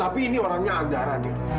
tapi ini orangnya andara deli